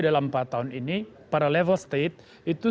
dalam empat tahun ini pada level state itu